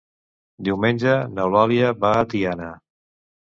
Diumenge n'Eulàlia va a Tiana.